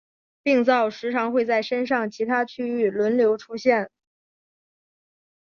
病灶时常会在身上其他区域轮流出现。